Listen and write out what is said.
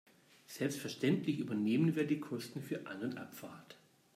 Selbstverständlich übernehmen wir die Kosten für An- und Abfahrt.